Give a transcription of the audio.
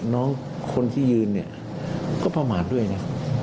น้องคนที่ยืนเนี่ยก็ประมาทด้วยนะ